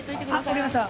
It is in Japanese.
わかりました。